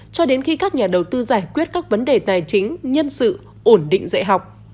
cho đến khi các nhà đầu tư giải quyết các vấn đề tài chính nhân sự ổn định dạy học